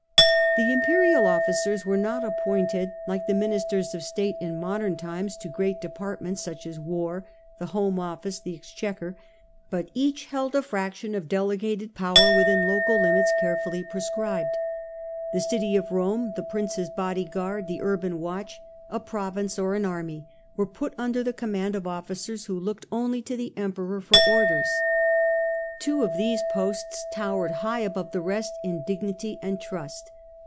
The imperial officers were not appointed, like the ministers of state in modem times, to great departments, such as War, the Home Office, the Exchequer ; but eaclt held a fraction of delegated power within local limits carefully prescribed. The city of Rome, the princess bodyguard, the urban watch, a province or an army, were put under the command of officers who looked only to the Emperor for orders. Two of these posts towered high above the rest in dignity and trust.